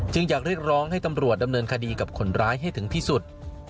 อยากเรียกร้องให้ตำรวจดำเนินคดีกับคนร้ายให้ถึงที่สุด